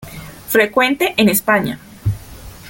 Frecuente en España.